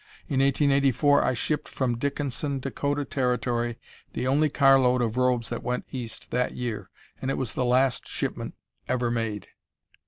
In 1884 I shipped from Dickinson, Dakota Territory, the only car load of robes that went East that year, and it was the last shipment ever made."